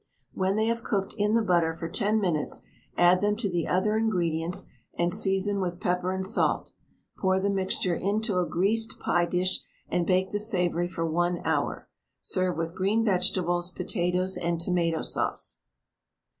When they have cooked in the butter for 10 minutes add them to the other ingredients, and season with pepper and salt. Pour the mixture into a greased pie dish and bake the savoury for 1 hour. Serve with green vegetables, potatoes, and tomato sauce.